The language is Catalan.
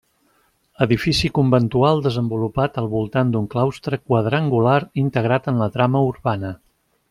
Edifici conventual desenvolupat al voltant d'un claustre quadrangular integrat en la trama urbana.